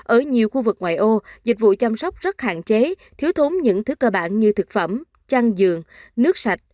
ở nhiều khu vực ngoại ô dịch vụ chăm sóc rất hạn chế thiếu thốn những thứ cơ bản như thực phẩm chăn giường nước sạch